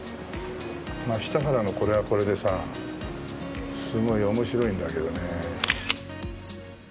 真下からのこれはこれでさすごい面白いんだけどね。